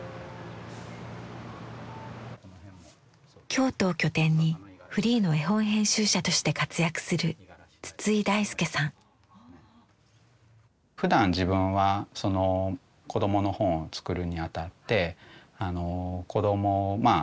京都を拠点にフリーの絵本編集者として活躍するふだん自分は子供の本を作るにあたって子供まあ